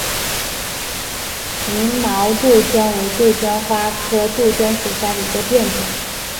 凝毛杜鹃为杜鹃花科杜鹃属下的一个变种。